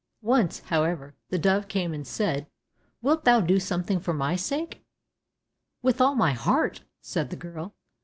Once, however, the dove came and said, "Wilt thou do something for my sake?" "With all my heart," said the girl.